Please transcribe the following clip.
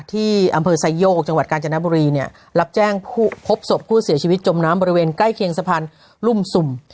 ที่อำเภอไซโยกจังหวัดกาญจนบุรีเนี่ยรับแจ้งพบศพผู้เสียชีวิตจมน้ำบริเวณใกล้เคียงสะพานรุ่มสุ่ม